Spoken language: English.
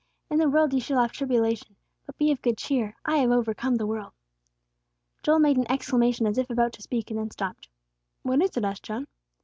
In the world ye shall have tribulation: but be of good cheer; I have overcome the world." Joel made an exclamation as if about to speak, and then stopped. "What is it?" asked John.